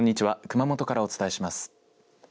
熊本からお伝えします。